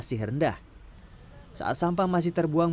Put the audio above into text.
di bgib terdapat keseimbangan sualanydpm dengan